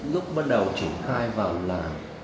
lúc bắt đầu triển khai vào là